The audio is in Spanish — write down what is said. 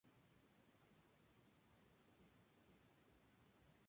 Las primeras celosías eran de madera.